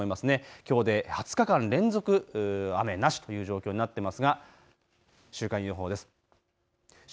きょうで２０日間連続、雨なしという状況になっています。